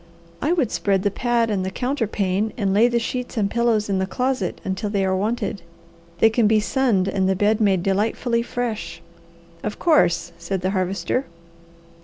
"I would spread the pad and the counterpane and lay the sheets and pillows in the closet until they are wanted. They can be sunned and the bed made delightfully fresh." "Of course," said the Harvester.